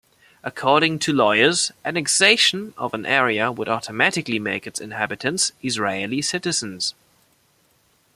According to lawyers, annexation of an area would automatically make its inhabitants Israeli citizens.